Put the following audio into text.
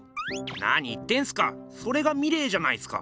何言ってんすかそれがミレーじゃないっすか！